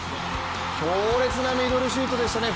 強烈なミドルシュートでしたね。